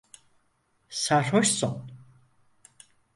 Sarhoşsun!